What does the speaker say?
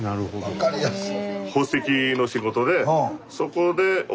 分かりやすい。